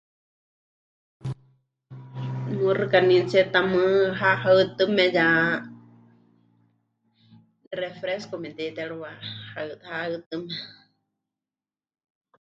Muxɨkanítsie tamɨ́ ha haɨtɨme ya refresco memɨte'itérɨwa haɨ... haɨtɨme.